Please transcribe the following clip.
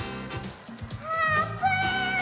あーぷん！